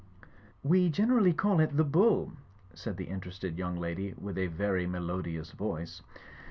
"We generally call it The Bull," said the interested young lady, with a very melodious voice.